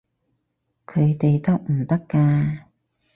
佢哋得唔得㗎？